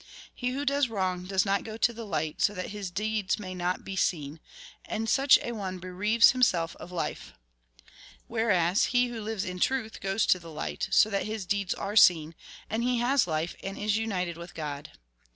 He who does wrong does not go to the light, so that his deeds may not be seen, and such a one bereaves himself of life. Whereas he who lives in truth goes to the light, so that his deeds are seen ; and he has life, and is united with God.